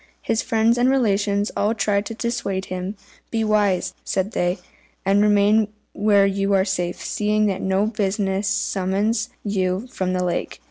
His friends and relations all tried to dissuade him. "Be wise," said they, "and remain where you are safe, seeing that no business summons you from the lake.